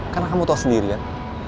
karena kamu tahu sendirian